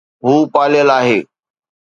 هو پاليل آهي